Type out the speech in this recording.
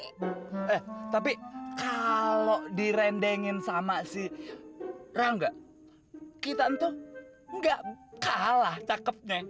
eh tapi kalau direndengin sama si rangga kita tuh enggak kalah cakepnya